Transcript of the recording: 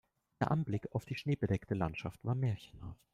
Der Anblick auf die schneebedeckte Landschaft war märchenhaft.